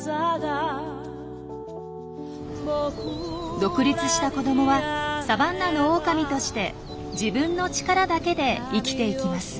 独立した子どもはサバンナのオオカミとして自分の力だけで生きていきます。